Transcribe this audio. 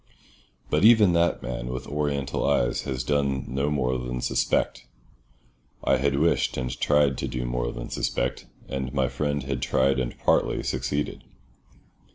But even that man with Oriental eyes has done no more than suspect. I had wished and tried to do more than suspect, and my friend had tried and partly succeeded.